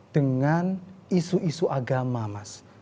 dengan isu isu agama mas